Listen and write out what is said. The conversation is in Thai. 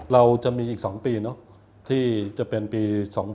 เราจะมีอีก๒ปีที่จะเป็นปี๒๕๖